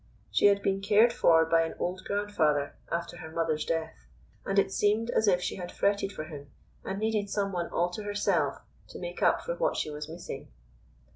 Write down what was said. She had been cared for by an old grandfather after her mother's death, and it seemed as if she had fretted for him and needed someone all to herself to make up for what she was missing.